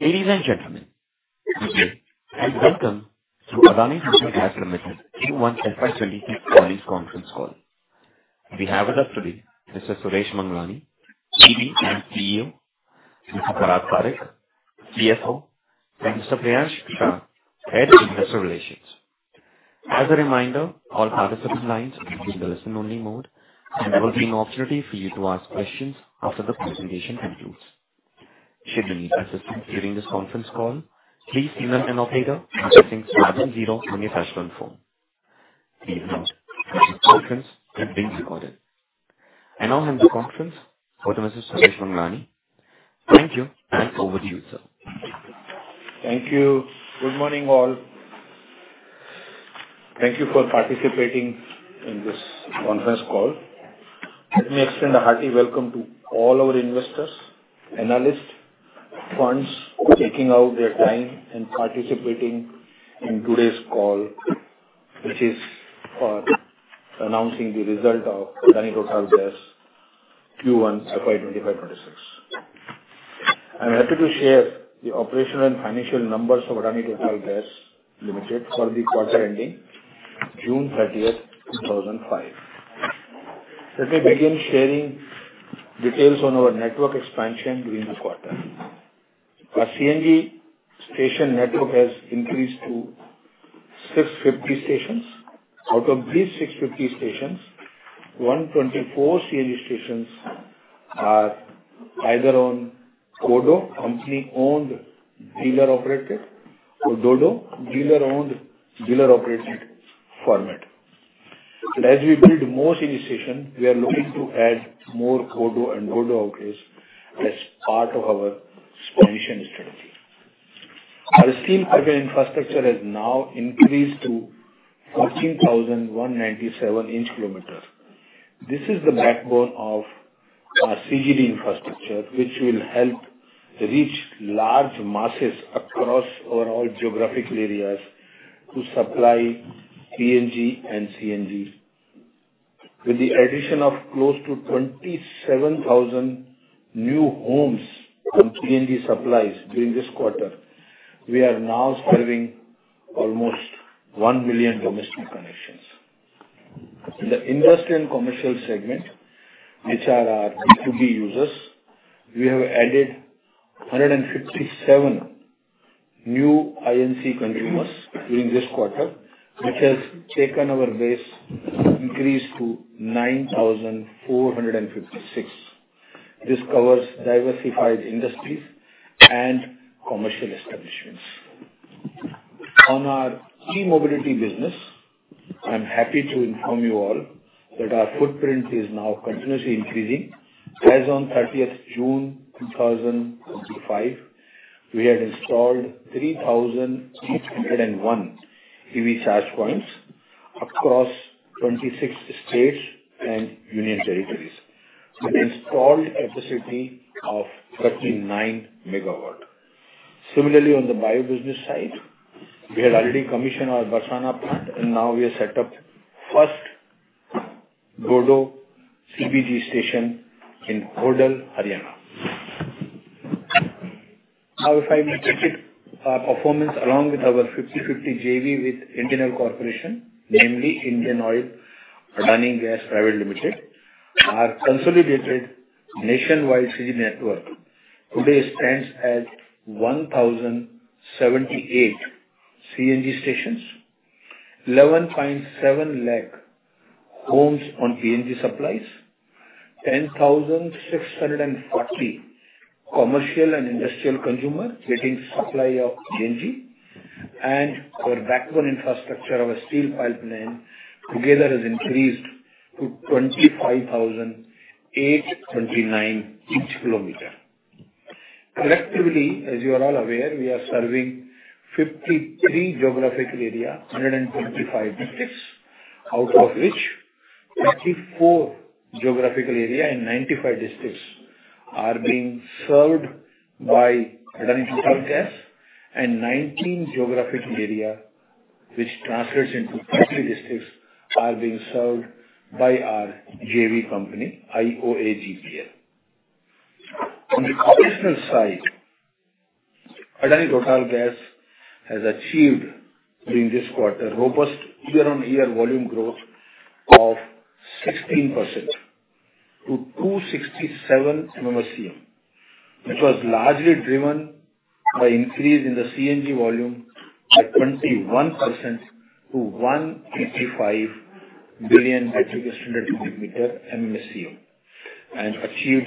Ladies and gentlemen, thank you and welcome to Adani Total Gas Ltd Q1 FY 2026 Earnings Conference call. We have with us today Mr. Suresh Manglani, ED and CEO, Mr. Parag Parikh, CFO, and Mr. Priyansh Shah, Head of Investor Relations. As a reminder, all participant lines will be in the listen-only mode, and there will be an opportunity for you to ask questions after the presentation concludes. Should you need assistance during this conference call, please email an operator by pressing star and zero on your touch-tone phone. Please note that this conference is being recorded. I now hand the conference over to Mr. Suresh Manglani. Thank you, and over to you, sir. Thank you. Good morning all. Thank you for participating in this conference call. Let me extend a hearty welcome to all our investors, analysts, and funds taking out their time and participating in today's call, which is for announcing the result of Adani Total Gas Q1 FY 2025-2026. I'm happy to share the operational and financial numbers of Adani Total Gas Ltd for the quarter ending June 30th, 2025. Let me begin sharing details on our network expansion during the quarter. Our CNG station network has increased to 650 stations. Out of these 650 stations, 124 CNG stations are either on CODO, Company Owned Dealer Operated, or DODO, Dealer Owned Dealer Operated format. As we build more CNG stations, we are looking to add more CODO and DODO outlets as part of our expansion strategy. Our steel piping infrastructure has now increased to 14,197 in-km. This is the backbone of our CGD infrastructure, which will help reach large masses across overall geographical areas to supply PNG and CNG. With the addition of close to 27,000 new homes from PNG supplies during this quarter, we are now serving almost 1 million domestic connections. In the industrial and commercial segment, which are our E2B users, we have added 157 new INC consumers during this quarter, which has taken our base increase to 9,456. This covers diversified industries and commercial establishments. On our T-mobility business, I'm happy to inform you all that our footprint is now continuously increasing. As on 30th June, 2025, we had installed 3,801 EV charge points across 26 states and union territories. We installed a capacity of 39 MW. Similarly, on the bio-business side, we had already commissioned our Barsana plant, and now we have set up the first DODO CBG station in Hodal, Haryana. Our 50/50 JV with Indian Oil Corporation, namely IndianOil-Adani Gas Pvt Ltd, our consolidated nationwide city network today stands at 1,078 CNG stations, 1.17 million homes on PNG supplies, 10,640 commercial and industrial consumers getting supply of PNG, and our backbone infrastructure of a steel pipeline together has increased to 25,829 in-km. Collectively, as you are all aware, we are serving 53 geographical areas, 125 districts, out of which 54 geographical areas in 95 districts are being served by Adani Total Gas, and 19 geographical areas, which translates into 30 districts, are being served by our JV company, IOAGPL. On the operational side, Adani Total Gas has achieved, during this quarter, robust year-on-year volume growth of 16% to 267 MMSCM, which was largely driven by an increase in the CNG volume by 21% to 1.5 billion metric standard cubic meter MMSCM, and achieved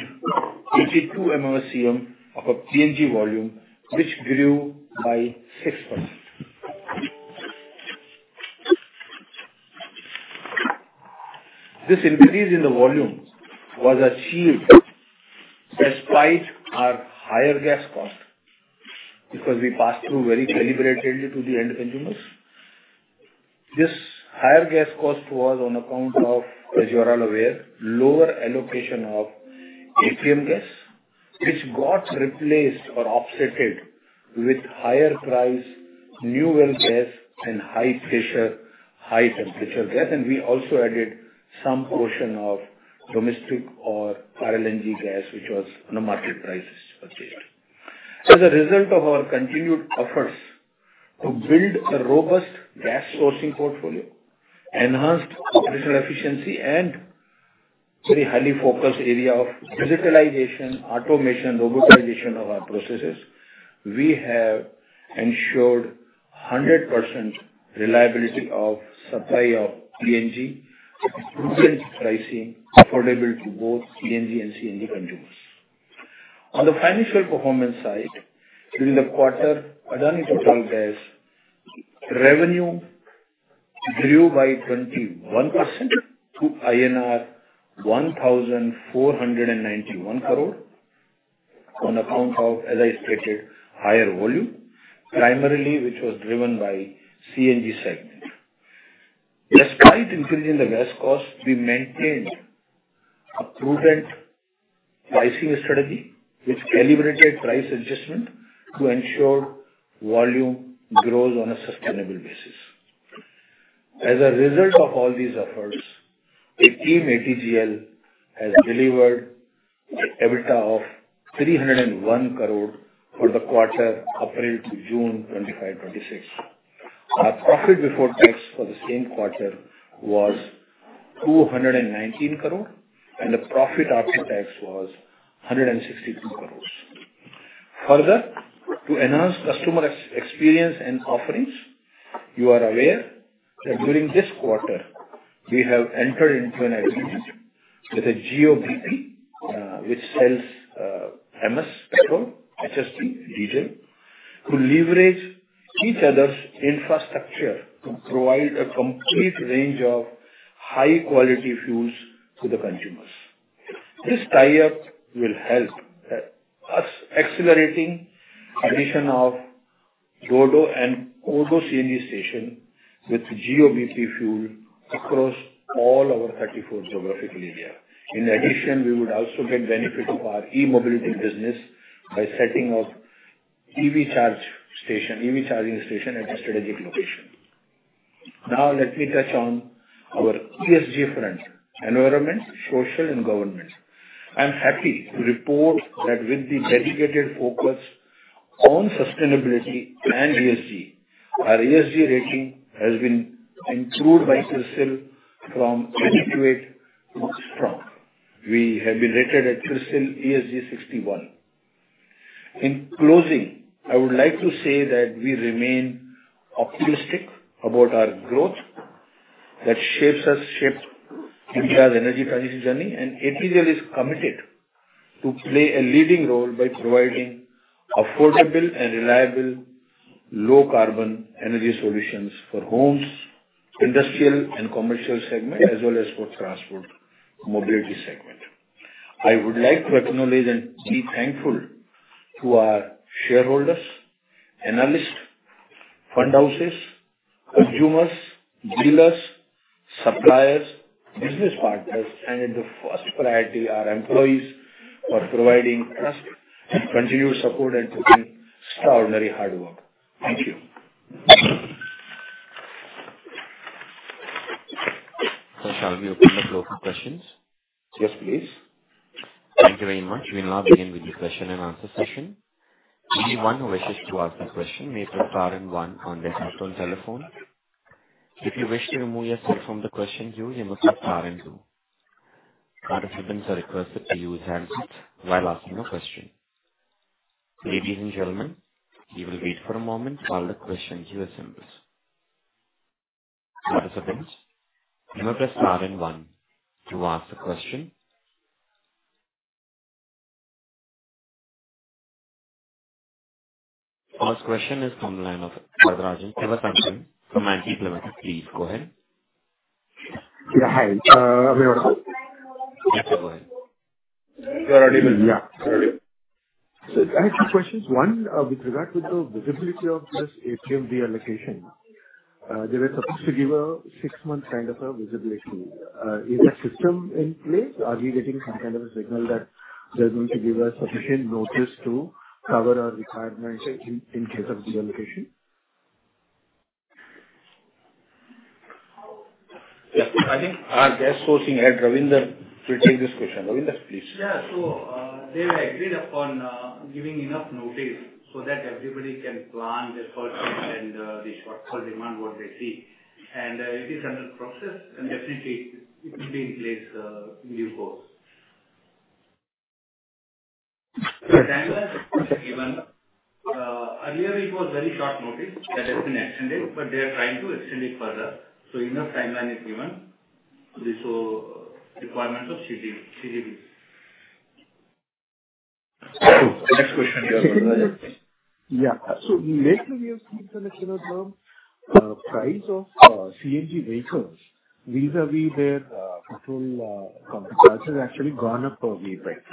52 MMSCM of a PNG volume, which grew by 6%. This increase in the volume was achieved despite our higher gas cost because we passed through very calibratedly to the end consumers. This higher gas cost was on account of, as you are all aware, lower allocation of APM gas, which got replaced or offsetted with higher-priced new oil gas and high-pressure, high-temperature gas. We also added some portion of domestic or RLNG gas, which was on a market price purchased. As a result of our continued efforts to build a robust gas sourcing portfolio, enhanced operational efficiency, and a very highly focused area of digitalization, automation, and robotization of our processes, we have ensured 100% reliability of supply of PNG, brilliant pricing, affordable to both PNG and CNG consumers. On the financial performance side, during the quarter, Adani Total Gas revenue grew by 21% to INR 1,491 crore on account of, as I stated, higher volume, primarily which was driven by CNG segment. Despite increasing the gas cost, we maintained a prudent pricing strategy, which calibrated price adjustment to ensure volume grows on a sustainable basis. As a result of all these efforts, the team ATGL has delivered an EBITDA of 301 crore for the quarter April to June 2025-2026. Our profit before tax for the same quarter was 219 crore, and the profit after tax was 162 crore. Further, to enhance customer experience and offerings, you are aware that during this quarter, we have entered into an agreement with GOBP, which sells M/S petrol, HST, and diesel, to leverage each other's infrastructure to provide a complete range of high-quality fuels to the consumers. This tie-up will help us accelerating the addition of DODO and CODO CNG station with GOBP fuel across all our 34 geographical areas. In addition, we would also get the benefit of our E-mobility business by setting up EV charging station at a strategic location. Now, let me touch on our ESG front, environment, social, and governance. I'm happy to report that with the dedicated focus on sustainability and ESG, our ESG rating has been improved by CRISIL from 88 to strong. We have been rated at CRISIL ESG 61. In closing, I would like to say that we remain optimistic about our growth that shapes us, shaped India's energy transition journey, and ATGL is committed to play a leading role by providing affordable and reliable low-carbon energy solutions for homes, industrial, and commercial segments, as well as for transport mobility segment. I would like to acknowledge and be thankful to our shareholders, analysts, fund houses, consumers, dealers, suppliers, business partners, and at the first priority, our employees for providing trust and continued support and doing extraordinary hard work. Thank you. Shall we open the floor for questions? Yes, please. Thank you very much. We'll now begin with the question and answer session. Anyone who wishes to ask a question may prepare one on their cell phone or telephone. If you wish to remove yourself from the question queue, you must prepare two. Participants are requested to use handsets while asking a question. Ladies and gentlemen, we will wait for a moment while the question queue assembles. Participants, you may prepare one to ask a question. First question is from the line of Father Rajan. Give us something from 90 km. Please go ahead. Yeah, hi. May I recall? Yes, sir. Go ahead. Sorry. I have two questions. One, with regard to the visibility of this APM deallocation, there is a fixed to give a six-month kind of a visibility. Is that system in place? Are we getting some kind of a signal that they're going to give us sufficient notice to cover our requirements in case of deallocation? Yes, I think our gas sourcing head, [Ravindra], will take this question. [Ravindra], please. Yeah, they've agreed upon giving enough notice so that everybody can plan their purchase and the shortfall demand they see. It is under process, and definitely, it will be in place in due course. The timeline is given. Earlier, it was very short notice that has been extended, and they are trying to extend it further. Enough timeline is given to resolve requirements of CGVs. Next question, Rajan. Yeah, lately we have seen some external terms. Price of CNG vehicles vis-à-vis their petrol company prices has actually gone up a wee bit.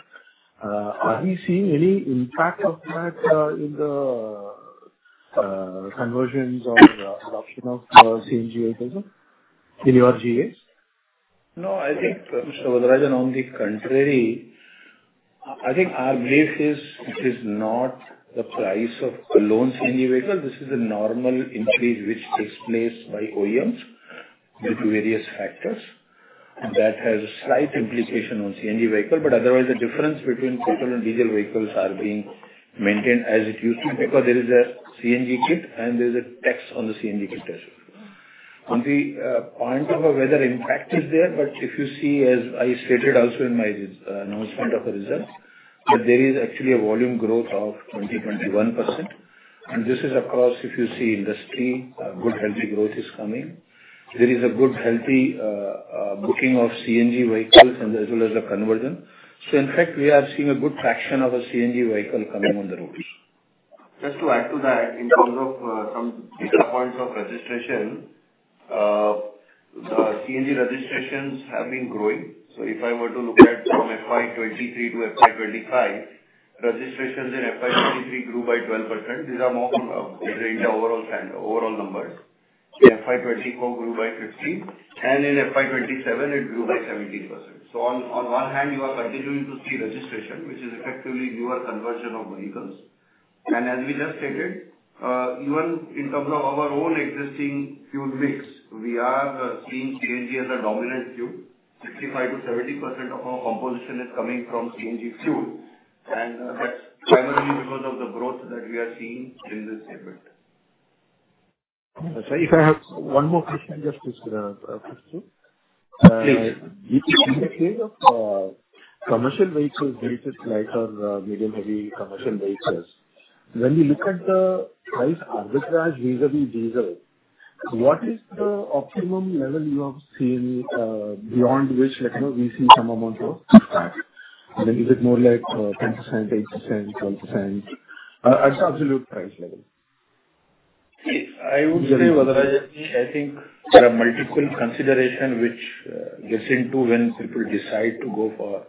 Are we seeing any impact of that in the conversions or adoption of CNG vehicles in your GAs? No, I think, Mr. Rajan, on the contrary, I think our belief is this is not the price of a lone CNG vehicle. This is a normal increase which takes place by OEMs due to various factors that have a slight implication on CNG vehicle. Otherwise, the difference between petrol and diesel vehicles is being maintained as it used to be because there is a CNG kit, and there is a tax on the CNG kit as well. On the point of whether impact is there, if you see, as I stated also in my announcement of the results, there is actually a volume growth of 20%, 21%. This is across, if you see industry, good, healthy growth is coming. There is a good, healthy booking of CNG vehicles as well as the conversion. In fact, we are seeing a good fraction of a CNG vehicle coming on the roads. Just to add to that, in terms of some data points of registration, the CNG registrations have been growing. If I were to look at from FY 2023 to FY 2025, registrations in FY 2023 grew by 12%. These are more from the overall numbers. In FY 2024, it grew by 15%. In FY 2027, it grew by 17%. On one hand, you are continuing to see registration, which is effectively a newer conversion of vehicles. As we just stated, even in terms of our own existing fuel mix, we are seeing CNG as a dominant fuel. 65%-70% of our composition is coming from CNG fuel. That's primarily because of the growth that we are seeing in this segment. Sorry, if I have one more question, I just want to ask you. Please. In the case of commercial vehicles rated lighter or medium-heavy commercial vehicles, when you look at the price arbitrage vis-à-vis diesel, what is the optimum level you have seen beyond which we see some amount of impact? I mean, is it more like 10%, 8%, 12% at the absolute price level? I would say, Rajan, I think there are multiple considerations which get into when people decide to go for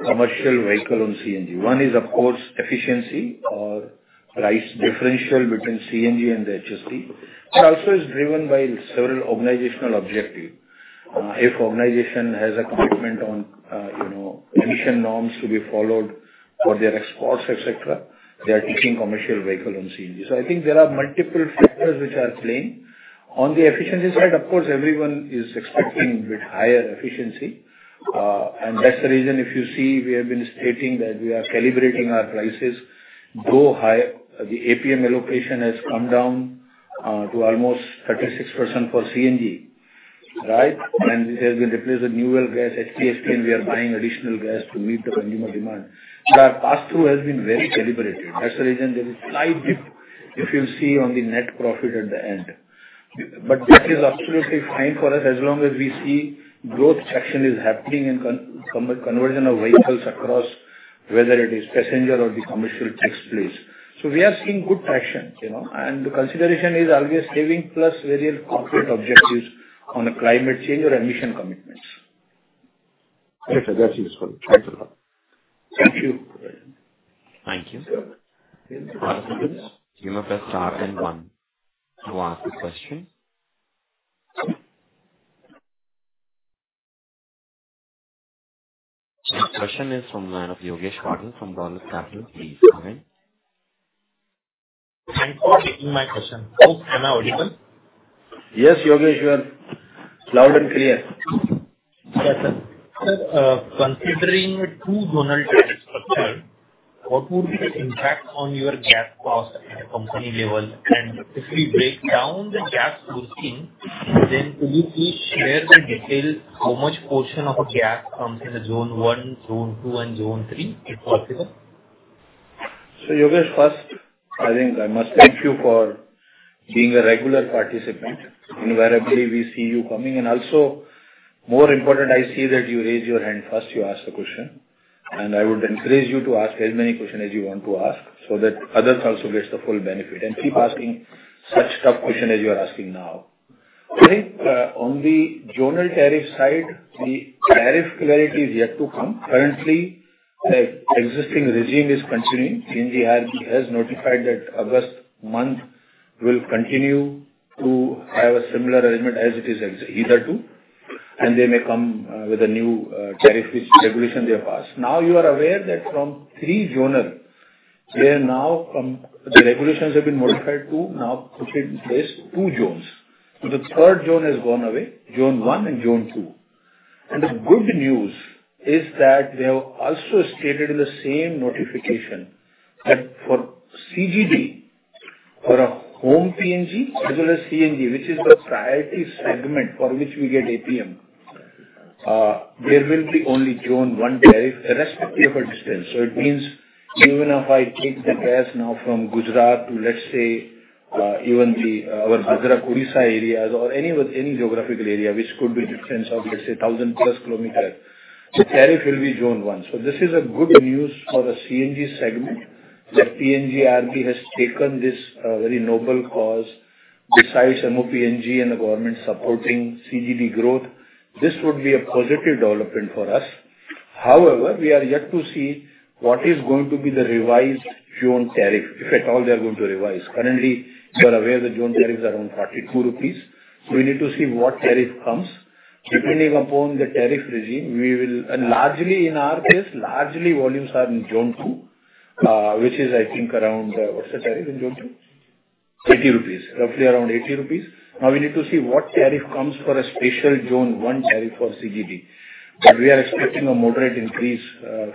a commercial vehicle on CNG. One is, of course, efficiency or price differential between CNG and the HST. It also is driven by several organizational objectives. If an organization has a commitment on, you know, emission norms to be followed for their exports, etc., they are taking commercial vehicles on CNG. I think there are multiple factors which are playing. On the efficiency side, of course, everyone is expecting a bit higher efficiency, and that's the reason if you see we have been stating that we are calibrating our prices. Though high, the APM allocation has come down to almost 36% for CNG, right? It has been replaced with new oil gas, HTSG, and we are buying additional gas to meet the consumer demand. Our pass-through has been very calibrated. That's the reason there is a slight dip if you see on the net profit at the end. That is absolutely fine for us as long as we see growth traction is happening in conversion of vehicles across whether it is passenger or the commercial takes place. We are seeing good traction, and the consideration is always saving plus various corporate objectives on climate change or emission commitments. Okay, sir, that's useful. Thank you a lot. Thank you. Thank you. You may prepare one. You ask the question. The question is from the line of Yogesh Patil from Dolat Capital. Please go ahead. Thank you for taking my question. Am I audible? Yes, Yogesh, you are loud and clear. Yes, sir. Sir, considering a two-zone gas tariff structure, what would be the impact on your gas cost at the company level? If we break down the gas sourcing, could you please share the details how much portion of the gas comes in the zone one, zone two, and zone three if possible? Yogesh, first, I think I must thank you for being a regular participant. Invariably, we see you coming. Also, more important, I see that you raised your hand first. You asked a question. I would encourage you to ask as many questions as you want to ask so that others also get the full benefit and keep asking such tough questions as you are asking now. I think on the zonal tariff side, the tariff clarity is yet to come. Currently, the existing regime is continuing. CNG has notified that August month will continue to have a similar arrangement as it is either two. They may come with a new tariff regulation they have passed. Now you are aware that from three zones, they have now come, the regulations have been modified to now put in place two zones. The third zone has gone away, zone one and zone two. The good news is that they have also stated in the same notification that for CGD, for a home PNG, as well as CNG, which is the priority segment for which we get APM, there will be only zone one tariff irrespective of a distance. It means even if I take the gas now from Gujarat to, let's say, even our [Bhadrak Odisha] areas or any geographical area, which could be a distance of, let's say, 1,000+ km, the tariff will be zone one. This is good news for a CNG segment that PNG RV has taken this very noble cause besides MOPNG and the government supporting CGD growth. This would be a positive development for us. However, we are yet to see what is going to be the revised zone tariff, if at all they are going to revise. Currently, you are aware the zone tariff is around 42 rupees. We need to see what tariff comes. Depending upon the tariff regime, we will and largely in our case, largely volumes are in zone two, which is I think around, what's the tariff in zone two? 80 rupees, roughly around 80 rupees. Now we need to see what tariff comes for a special zone one tariff for CGD. We are expecting a moderate increase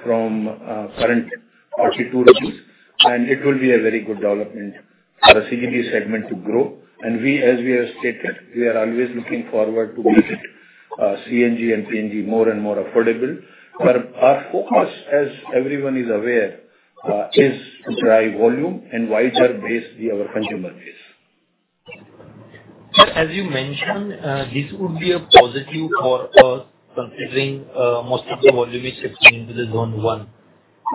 from current 42 rupees. It will be a very good development for a CGD segment to grow. As we have stated, we are always looking forward to making CNG and PNG more and more affordable. Our focus, as everyone is aware, is dry volume and wider base, our consumer base. Sir, as you mentioned, this would be a positive for us considering most of the volume is shifting into the zone one.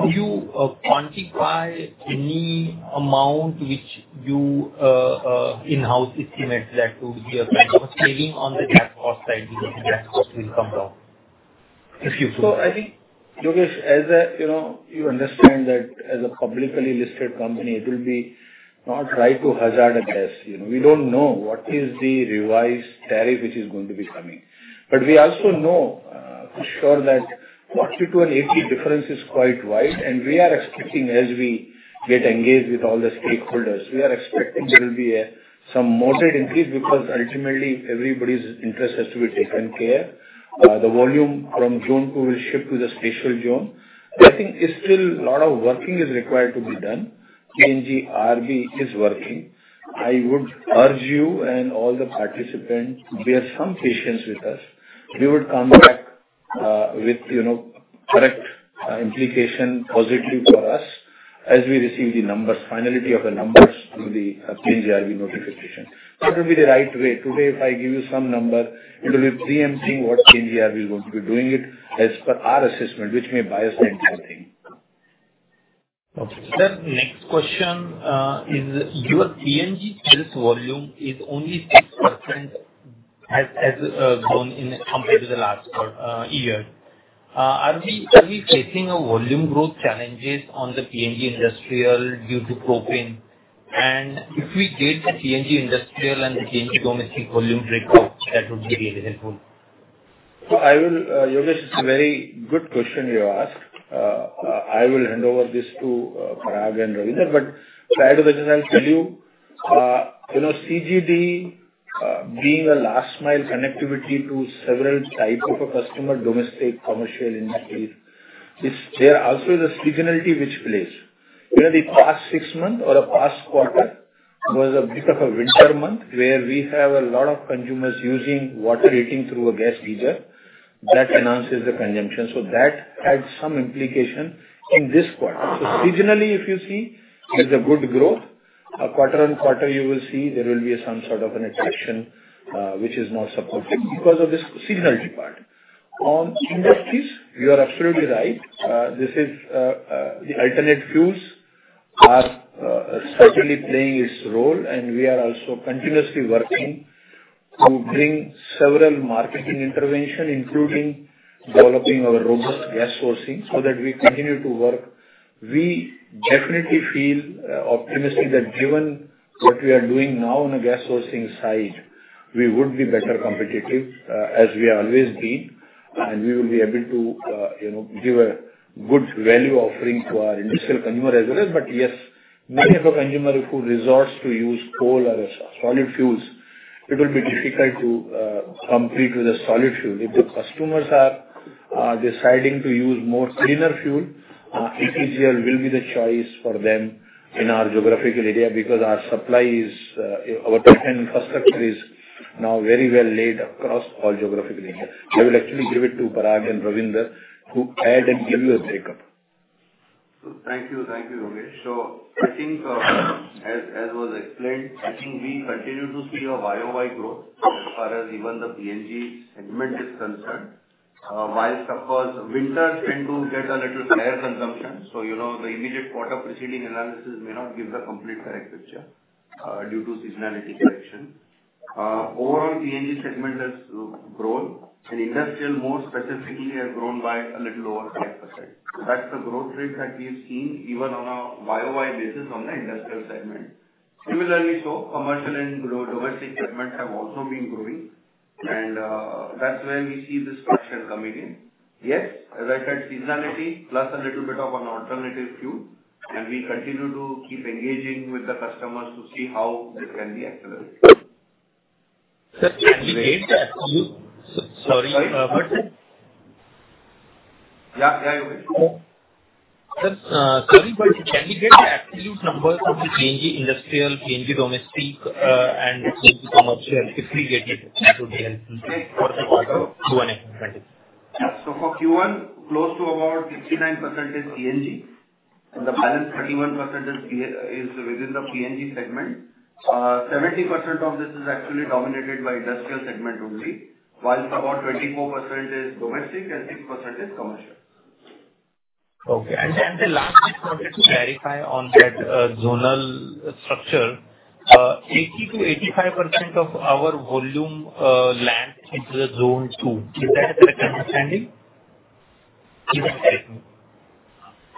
Do you quantify any amount which you in-house estimate that would be a kind of a saving on the gas cost side because the gas cost will come down? I think, Yogesh, as you understand that as a publicly listed company, it will not be right to hazard a guess. We don't know what is the revised tariff which is going to be coming. We also know for sure that 42 and 80 difference is quite wide. We are expecting, as we get engaged with all the stakeholders, there will be some moderate increase because ultimately, everybody's interest has to be taken care of. The volume from zone two will shift to the special zone. I think it's still a lot of working that is required to be done. PNG RV is working. I would urge you and all the participants to bear some patience with us. We would come back with correct implication, positive for us as we receive the numbers, finality of the numbers through the PNG RV notification. That would be the right way. Today, if I give you some number, it will be preempting what PNG RV is going to be doing as per our assessment, which may bias the entire thing. Okay. Sir, next question, is your PNG sales volume only 6% as grown in compared to the last year. Are we facing a volume growth challenges on the PNG industrial due to propane? If we did the PNG industrial and the PNG domestic volume breakdown, that would be really helpful. Yogesh, it's a very good question you asked. I will hand over this to Parag and [Ravindra]. Prior to that, I'll tell you, you know, CGD, being a last-mile connectivity to several types of customers—domestic, commercial, industry—there also is a seasonality which plays. The past six months or the past quarter was a bit of a winter month where we have a lot of consumers using water heating through a gas heater. That enhances the consumption. That had some implication in this quarter. Seasonally, if you see, there's a good growth. Quarter on quarter, you will see there will be some sort of an attraction, which is not supported because of this seasonality part. On industries, you are absolutely right. The alternate fuels are certainly playing its role. We are also continuously working to bring several marketing interventions, including developing our robust gas sourcing so that we continue to work. We definitely feel optimistic that given what we are doing now on the gas sourcing side, we would be better competitive, as we have always been. We will be able to give a good value offering to our industrial consumers as well. Yes, many of our consumers who resort to use coal or solid fuels, it will be difficult to compete with the solid fuel. If the customers are deciding to use more cleaner fuel, ATG will be the choice for them in our geographical area because our supply is, our top 10 infrastructure is now very well laid across all geographical areas. I will actually give it to Parag and [Ravindra] to add and give you a breakup. Thank you, Yogesh. As was explained, we continue to see YoY growth as far as even the Piped Natural Gas (PNG) segment is concerned. Whilst, of course, winters tend to get a little higher consumption, the immediate quarter preceding analysis may not give the complete correct picture due to seasonality correction. Overall, the PNG segment has grown, and industrial more specifically has grown by a little over 5%. That's the growth rate that we've seen even on a YoY basis on the industrial segment. Similarly, commercial and domestic segments have also been growing. That's where we see this structure coming in. Yes, as I said, seasonality plus a little bit of an alternative fuel. We continue to keep engaging with the customers to see how this can be accelerated. Sir, can you get the absolute, sorry? Yeah, yeah, Yogesh. Sir, sorry, but can we get the absolute number from the PNG industrial, PNG domestic, and PNG commercial? If we get it, that would be helpful for the quarter Q1 FY 2022. For Q1, close to about 69% is PNG. The balance 31% is within the PNG segment. 70% of this is actually dominated by industrial segment only, whilst about 24% is domestic and 6% is commercial. Okay. The last question, to clarify on that zonal structure, 80%-85% of our volume lands into the zone two. Is that a correct understanding?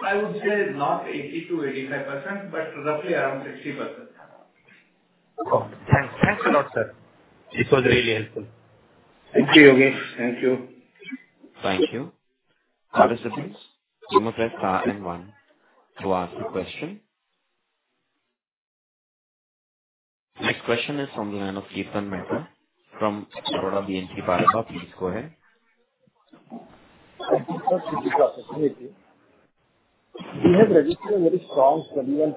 I would say not 80%-85%, but roughly around 60%. Thanks. Thanks a lot, sir. This was really helpful. Thank you, Yogesh. Thank you. Thank you. Participants, you may prepare to ask the question. Next question is from the line of Kirtan Mehta from Baroda BNP Paribas. Please go ahead. Thank you, sir. Thank you. We have registered a very strong 21%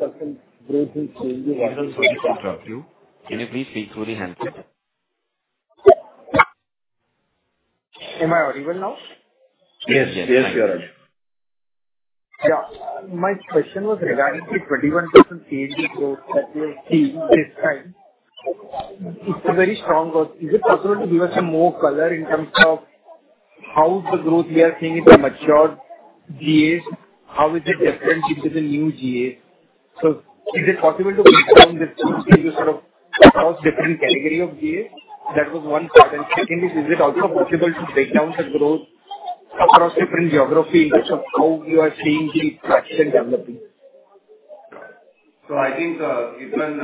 growth in CNG. [Kirtan], could you please speak to the handset? Am I audible now? Yes, yes, yes, your honor. Yeah, my question was regarding the 21% CNG growth that we have seen this time. It's a very strong growth. Is it possible to give us some more color in terms of how the growth we are seeing in the matured GAs? How is it different in the new GAs? Is it possible to break down the two things across different categories of GAs? That was one part. Second, is it also possible to break down the growth across different geographies in terms of how you are seeing the traction developing? I think, Kirtan,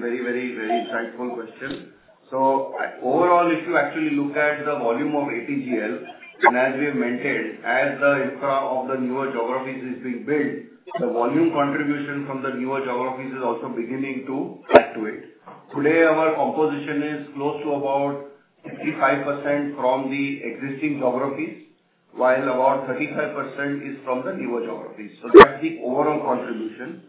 very, very insightful question. Overall, if you actually look at the volume of ATGL, and as we have mentioned, as the infrastructure of the newer geographies is being built, the volume contribution from the newer geographies is also beginning to fluctuate. Today, our composition is close to about 65% from the existing geographies, while about 35% is from the newer geographies. That's the overall contribution.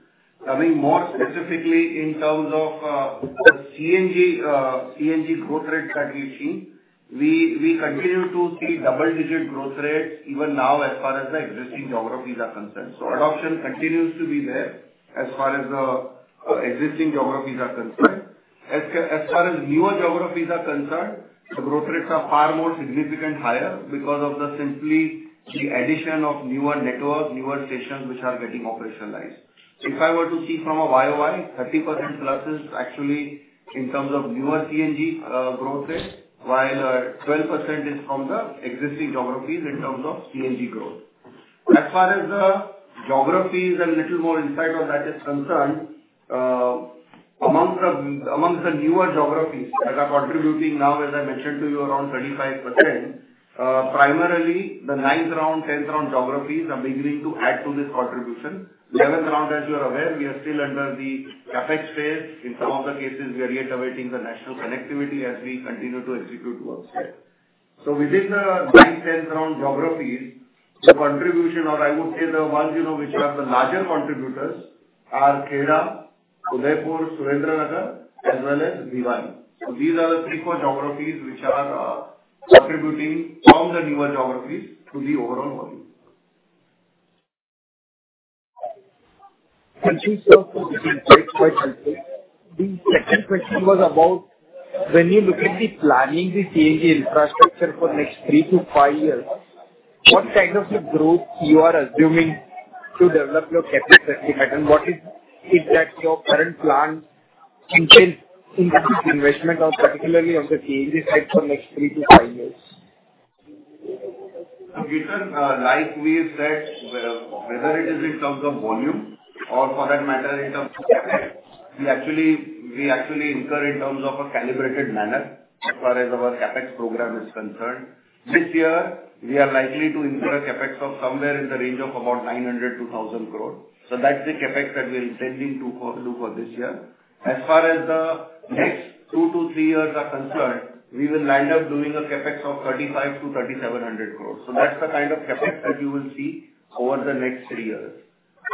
Coming more specifically in terms of the CNG growth rate that we've seen, we continue to see double-digit growth rates even now as far as the existing geographies are concerned. Adoption continues to be there as far as the existing geographies are concerned. As far as newer geographies are concerned, the growth rates are far more significantly higher because of simply the addition of newer networks, newer stations which are getting operationalized. If I were to see from a YoY, 30%+ is actually in terms of newer CNG growth rate, while 12% is from the existing geographies in terms of CNG growth. As far as the geographies and a little more insight on that is concerned, amongst the newer geographies that are contributing now, as I mentioned to you, around 35%, primarily the 9th round, 10th round geographies are beginning to add to this contribution. 11th round, as you're aware, we are still under the CapEx phase. In some of the cases, we are yet awaiting the national connectivity as we continue to execute work. Within the 9th, 10th round geographies, the contribution, or I would say the ones which are the larger contributors, are Kerala, Udaipur, Surendranagar, as well as Bhiwani. These are the three core geographies which are contributing from the newer geographies to the overall volume. Thank you, sir, for this great question. The second question was about when you look at the planning the CNG infrastructure for the next three to five years, what kind of a growth you are assuming to develop your CapEx estimate? What is it that your current plan entails in this investment, or particularly on the CNG side for the next three to five years? Kirtan, like we have said, whether it is in terms of volume or for that matter in terms of CapEx, we actually incur in terms of a calibrated manner as far as our CapEx program is concerned. This year, we are likely to incur a CapEx of somewhere in the range of about 900-1,000 crore. That's the CapEx that we are intending to do for this year. As far as the next two to three years are concerned, we will end up doing a CapEx of 3,500-3,700 crore. That's the kind of CapEx that you will see over the next three years.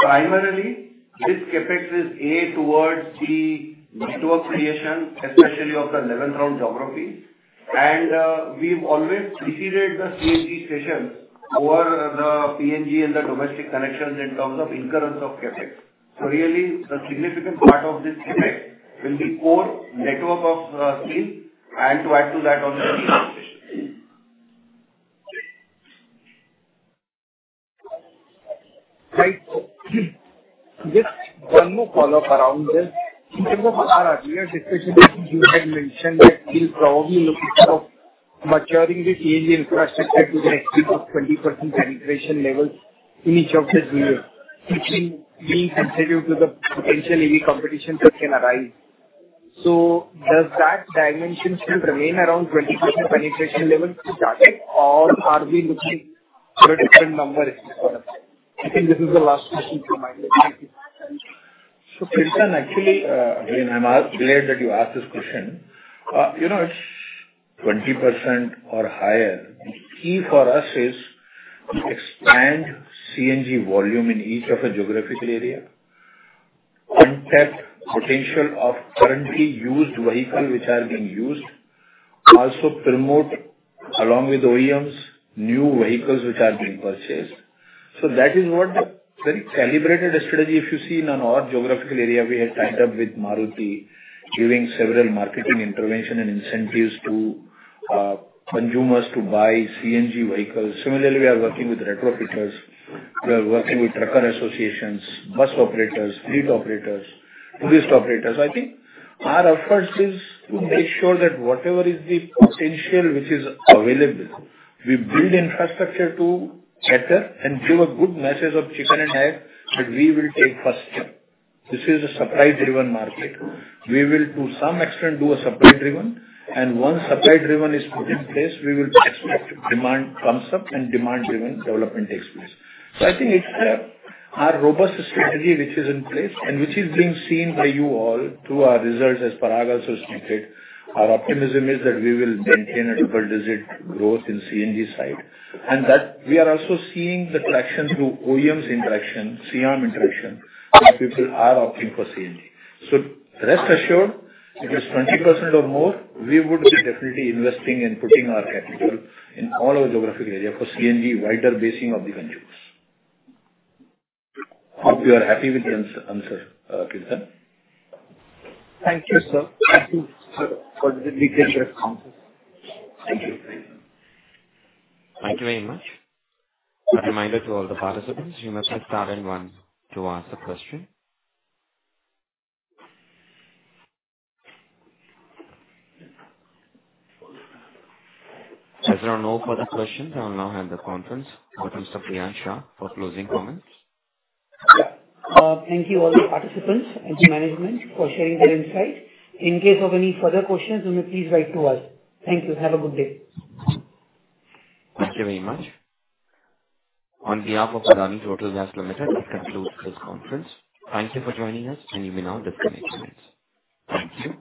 Primarily, this CapEx is aimed towards the network creation, especially of the 11th round geography. We've always preceded the CNG stations over the PNG and the domestic connections in terms of incurrence of CapEx. The significant part of this CapEx will be core network of steels and to add to that on the sealing station. Great. Just one more follow-up around this. In terms of our earlier discussion, you had mentioned that we'll probably look at maturing the CNG infrastructure to the next 20% penetration levels in each of the geographies being considered due to the potential EV competition that can arise. Does that dimension still remain around 20% penetration level to target, or are we looking for a different number? I think this is the last question from my side. Actually, again, I'm glad that you asked this question. You know, it's 20% or higher. The key for us is to expand CNG volume in each of the geographical areas, contact the potential of currently used vehicles which are being used, also promote, along with OEMs, new vehicles which are being purchased. That is what the very calibrated strategy, if you see, in an odd geographical area, we have tied up with Maruti giving several marketing interventions and incentives to consumers to buy CNG vehicles. Similarly, we are working with retrofitters. We are working with trucker associations, bus operators, fleet operators, tourist operators. I think our efforts is to make sure that whatever is the potential which is available, we build infrastructure to better and give a good message of chicken and egg that we will take first step. This is a supply-driven market. We will, to some extent, do a supply-driven. Once supply-driven is put in place, we will expect demand comes up and demand-driven development takes place. I think it's our robust strategy which is in place and which is being seen by you all through our results. As Parag also stated, our optimism is that we will maintain a double-digit growth in the CNG side. We are also seeing the traction through OEMs' interaction, CRM interaction, where people are opting for CNG. Rest assured, if it's 20% or more, we would be definitely investing and putting our capital in all our geographical area for CNG wider basing of the consumers. Hope you are happy with the answer, Kirtan. Thank you, sir. Thank you, sir, for the dedicated responses. Thank you. Thank you very much. A reminder to all the participants, you may prepare and want to answer questions. If there are no further questions, I will now hand the conference to Mr. Priyansh Shah for closing comments. Thank you all the participants and to management for sharing their insights. In case of any further questions, you may please write to us. Thank you. Have a good day. Thank you very much. On behalf of Adani Total Gas Ltd, we conclude this conference. Thank you for joining us, and you may now disconnect your nets. Thank you.